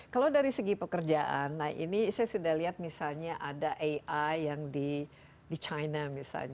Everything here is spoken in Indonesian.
kalau dari segi pekerjaan nah ini saya sudah lihat misalnya ada ai yang di china misalnya